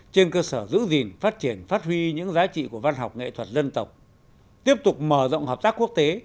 trên cơ sở giữ gìn phát triển phát huy những giá trị của văn học nghệ thuật dân tộc